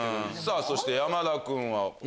そして山田君は？